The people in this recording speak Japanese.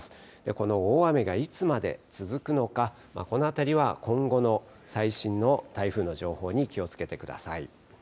この大雨がいつまで続くのか、このあたりは今後の最新の台風の情報に気をつけてください。